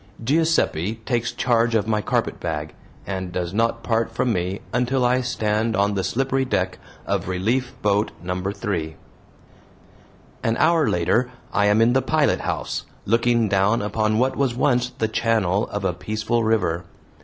Giuseppe takes charge of my carpetbag, and does not part from me until I stand on the slippery deck of "Relief Boat No. 3." An hour later I am in the pilothouse, looking down upon what was once the channel of a peaceful river.